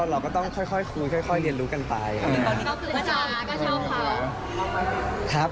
ก็เราก็ต้องค่อยค่อยคุยค่อยค่อยเรียนรู้กันไปอืมเขาก็ชอบเขา